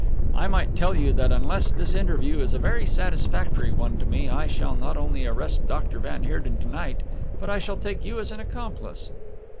I might tell you that unless this interview is a very satisfactory one to me I shall not only arrest Doctor van Heerden to night but I shall take you as an accomplice."